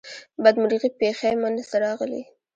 بدمرغي پیښی منځته راغلې.